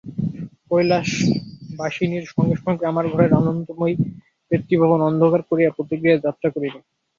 কৈলাসবাসিনীর সঙ্গে সঙ্গে আমার ঘরের আনন্দময়ী পিতৃভবন অন্ধকার করিয়া পতিগৃহে যাত্রা করিবে।